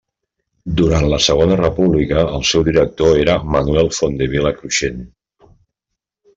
Durant la Segona República, el seu director era Manuel Fontdevila Cruixent.